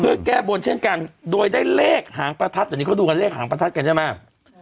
เพื่อแก้บนเช่นกันโดยได้เลขหางประทัดเดี๋ยวนี้เขาดูกันเลขหางประทัดกันใช่ไหม